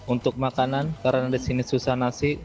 untuk makanan karena di sini susah nasi